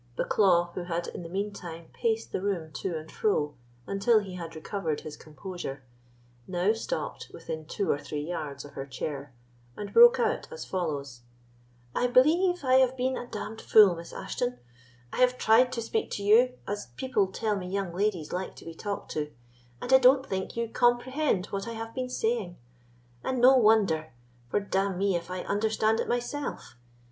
Bucklaw, who had in the mean time paced the room to and fro, until he had recovered his composure, now stopped within two or three yards of her chair, and broke out as follows: "I believe I have been a d—d fool, Miss Ashton; I have tried to speak to you as people tell me young ladies like to be talked to, and I don't think you comprehend what I have been saying; and no wonder, for d—n me if I understand it myself!